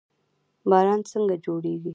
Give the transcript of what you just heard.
باران څنګه جوړیږي؟